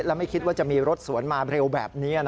และไม่คิดว่าจะมีรถสวนมาเร็วแบบนี้